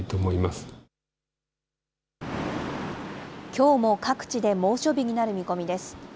きょうも各地で猛暑日になる見込みです。